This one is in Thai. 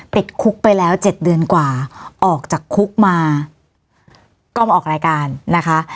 ติดคุกไปแล้ว๗เดือนกว่าออกจากคุกมาก็มาออกรายการนะคะ